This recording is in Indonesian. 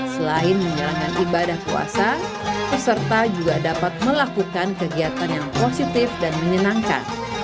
selain menjalankan ibadah puasa peserta juga dapat melakukan kegiatan yang positif dan menyenangkan